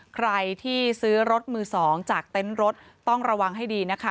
ใครที่ซื้อรถมือ๒จากเต็นต์รถต้องระวังให้ดีนะคะ